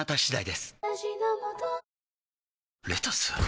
レタス！？